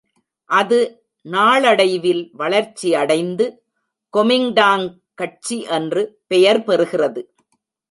அது நாளடைவில் வளர்ச்சியடைந்து கொமிங்டாங் கட்சி என்று பெயர் பெறுகிறது.